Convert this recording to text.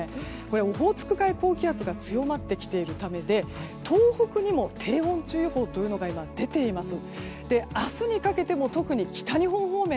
オホーツク海高気圧が強まってきているためで東北にも低温注意報が今、出ています。